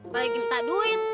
apalagi minta duit